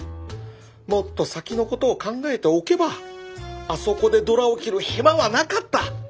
もっと先のことを考えておけばあそこでドラを切るヘマはなかった！